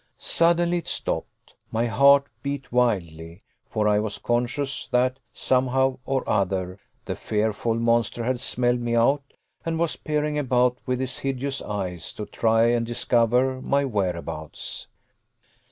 Suddenly it stopped. My heart beat wildly, for I was conscious that, somehow or other, the fearful monster had smelled me out and was peering about with his hideous eyes to try and discover my whereabouts.